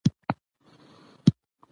مه کوه په چا، چي وبه سي په تا